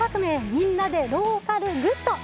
みんなでローカルグッド」。